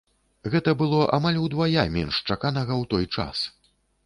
Гэта было амаль удвая менш чаканага ў той час.